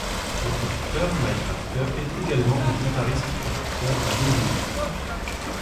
Le producteur Mike Rathke est également le guitariste-producteur de Lou Reed.